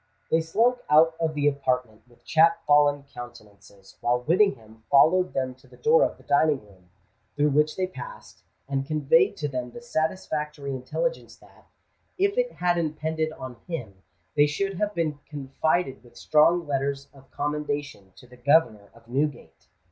They slunk out of the apartment, with chap fallen countenances, while Whittingham followed them to the door of the dining room, through which they passed, and conveyed to them the satisfactory intelligence that "if it had impended on him, they should have been confided with strong letters of commendation to the governor of Newgate."